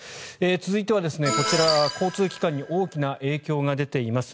続いては、こちら交通機関に大きな影響が出ています